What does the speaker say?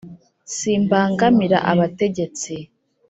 Simbangamira abategetsi !